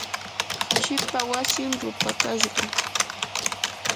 hashipa wasin rupakashqam.